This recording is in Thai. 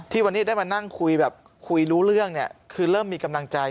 วันนี้ได้มานั่งคุยแบบคุยรู้เรื่องเนี่ยคือเริ่มมีกำลังใจ